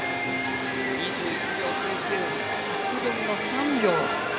２１秒９９、１００分の３秒。